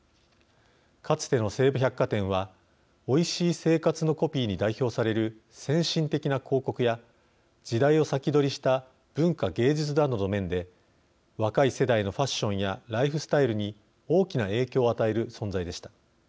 かつての西武百貨店は「おいしい生活。」のコピーに代表される先進的な広告や時代を先取りした文化、芸術などの面で若い世代のファッションやライフスタイルに大きな影響を与える存在でした。